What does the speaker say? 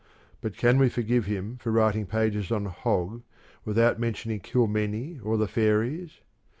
But can we forgive him for writing pages on Hogg without mentioning Kilmenie or the fairies